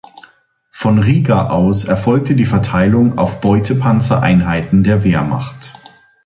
Von Riga aus erfolgte die Verteilung auf Beutepanzer-Einheiten der Wehrmacht.